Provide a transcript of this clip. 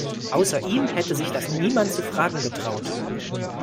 Außer ihm hätte sich das niemand zu fragen getraut.